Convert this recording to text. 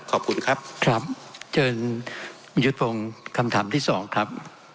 ขอบคุณครับครับเจอยุตภงคำถามที่สองครับ